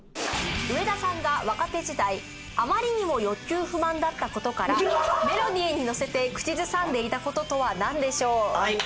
上田さんが若手時代あまりにも欲求不満だった事からメロディーに乗せて口ずさんでいた事とはなんでしょう？